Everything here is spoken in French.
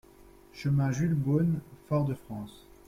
Chemin Jules Beaunes, Fort-de-France